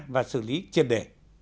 và xử lý trên đề